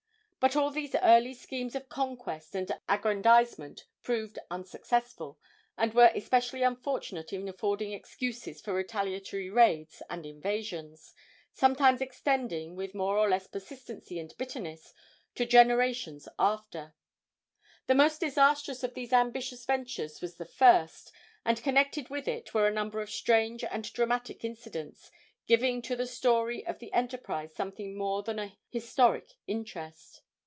but all these early schemes of conquest and aggrandizement proved unsuccessful, and were especially unfortunate in affording excuses for retaliatory raids and invasions, sometimes extending, with more or less persistency and bitterness, to generations thereafter. The most disastrous of these ambitious ventures was the first, and connected with it were a number of strange and dramatic incidents, giving to the story of the enterprise something more than a historic interest.